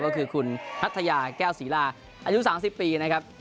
ก็คือคุณพัทยาแก้วศรีลาอายุ๓๐ปีนะครับ